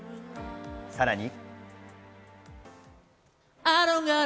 さらに。